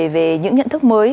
về những nhận thức mới